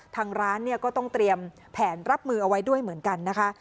ทางร้านเนี่ยก็ต้องเตรียมแผนรับมือเอาไว้ด้วยเหมือนกันนะคะ